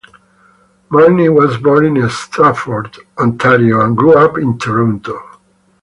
Marni was born Stratford, Ontario and grew up in Toronto.